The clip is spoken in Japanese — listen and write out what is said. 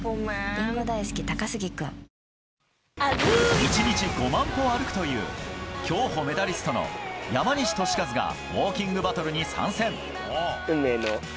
１日５万歩、歩くという競歩メダリストの山西利和がウォーキングバトルに参戦。